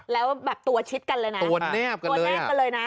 แล้วแบบตัวชิดกันเลยนะตัวแนบกันเลยนะ